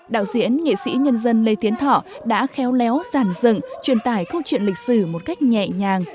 đạo diễn nghệ sĩ nhân dân lê tiến thọ đã khéo léo giản dựng truyền tải câu chuyện lịch sử một cách nhẹ nhàng